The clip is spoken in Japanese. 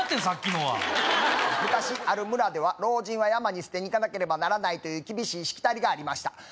さっきのは昔ある村では老人は山に捨てにいかなければならないという厳しいしきたりがありました